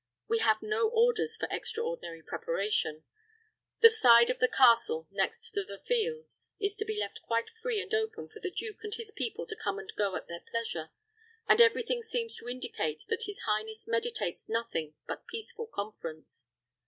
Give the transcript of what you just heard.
We have no orders for extraordinary preparation. The side of the castle next to the fields is to be left quite free and open for the duke and his people to come and go at their pleasure, and every thing seems to indicate that his highness meditates nothing but peaceful conference.